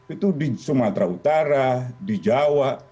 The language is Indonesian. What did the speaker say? itu di sumatera utara di jawa